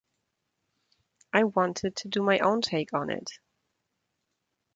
I wanted to do my own take on it.